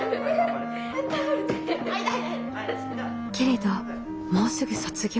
けれどもうすぐ卒業。